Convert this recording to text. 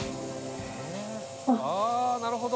あなるほど！